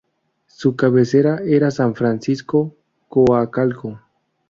Su cabecera es San Francisco Coacalco.